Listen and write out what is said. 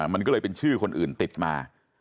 มันก็เลยเป็นชื่อคนอื่นติดมา